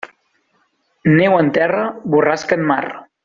Neu en terra, borrasca en mar.